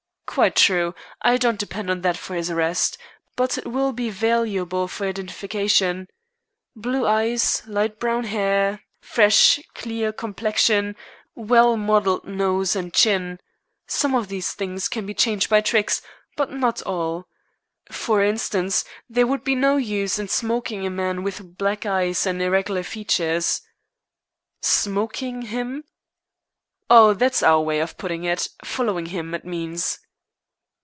"Quite true. I don't depend on that for his arrest, but it will be valuable for identification. 'Blue eyes, light brown hair, fresh, clear complexion, well modelled nose and chin.' Some of these things can be changed by tricks, but not all. For instance, there would be no use in smoking a man with black eyes and irregular features." "'Smoking' him?" "Oh, that's our way of putting it. Following him, it means."